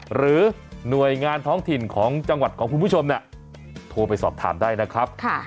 หรือหน่วยงานท้องถิ่นของจังหวัดของคุณผู้ชมโทรไปสอบถามได้นะครับ